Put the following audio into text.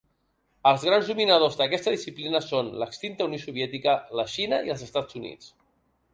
Els grans dominadors d'aquesta disciplina són l'extinta Unió Soviètica, la Xina i els Estats Units.